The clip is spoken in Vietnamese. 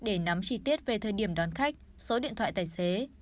để nắm chi tiết về thời điểm đón khách số điện thoại tài xế